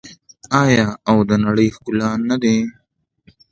آیا او د نړۍ ښکلا نه دي؟